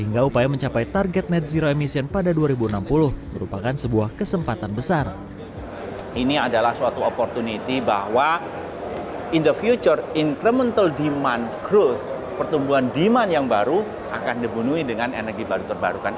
ini adalah suatu opportunity bahwa in the future incremental demand growth pertumbuhan demand yang baru akan dibunuhi dengan energi baru terbarukan